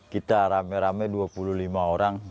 kita rame rame dua puluh lima orang